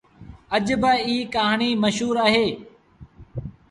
اڄ با ايٚ ڪهآڻيٚ مشهور اهي۔